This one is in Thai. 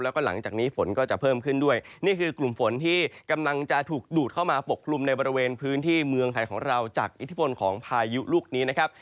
แล้วก็หลังจากนี้ฝนก็จะเพิ่มขึ้นด้วยนี่คือกลุ่มฝนที่กำลังจะถูกดูดเข้ามาปกคลุมในบริเวณพื้นที่เมืองไทยของเราจากอิทธิพลของพายุลูกนี้นะครับ